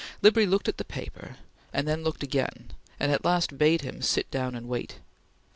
Libri looked at the paper, and then looked again, and at last bade him sit down and wait.